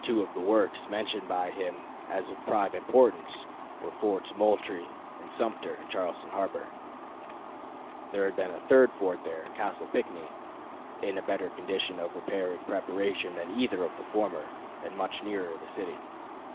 Two of the works mentioned by him as of prime importance were Forts Moultrie and Sumter in Charleston harbor. There was still a third fort there, Castle Pinckney, in a better condition of repair and preparation than either of the former, and much nearer the city.